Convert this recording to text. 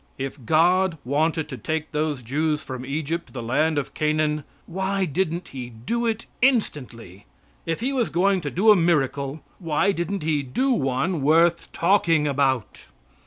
If God wanted to take those Jews from Egypt to the land of Canaan, why didn't He do it instantly? If He was going to do a miracle why didn't He do one worth talking about?